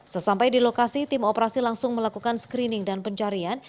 sesampai di lokasi tim operasi langsung melakukan screening dan pencarian